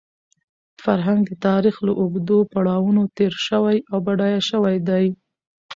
فرهنګ د تاریخ له اوږدو پړاوونو تېر شوی او بډایه شوی دی.